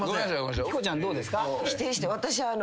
ヒコちゃんどうですか？